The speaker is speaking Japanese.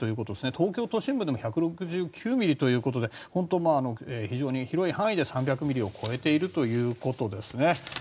東京都心でも１６９ミリということで非常に広い範囲で３００ミリを超えているということです。